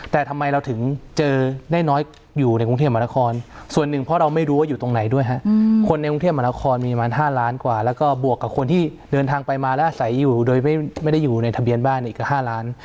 แต่ทำไมเราถึงเจอได้น้อยอยู่ในกรุงเทพมหานครส่วนหนึ่งเพราะเราไม่รู้ว่าอยู่ตรงไหนด้วยฮะคนในกรุงเทพมหานครมีประมาณ๕ล้านกว่าแล้วก็บวกกับคนที่เดินทางไปมาแล้วอาศัยอยู่โดยไม่ได้อยู่ในทะเบียนบ้านอีก๕ล้าน